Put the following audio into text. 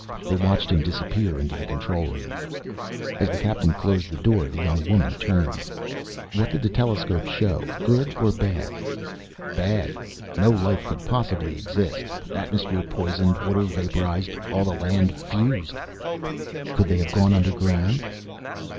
They watched him disappear into the control room. As the Captain closed the door the young woman turned. "What did the telescope show? Good or bad?" "Bad. No life could possibly exist. Atmosphere poisoned, water vaporized, all the land fused." "Could they have gone underground?"